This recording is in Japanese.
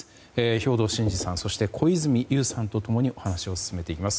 兵頭慎治さんそして小泉悠さんと共にお話を進めていきます。